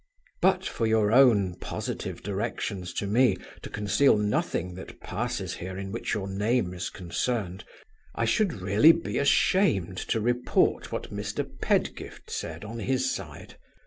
"But for your own positive directions to me to conceal nothing that passes here in which your name is concerned, I should really be ashamed to report what Mr. Pedgift said on his side.